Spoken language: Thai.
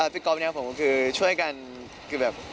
พี่ก๊อฟเนี่ยผมคือช่วยกันคือแบบ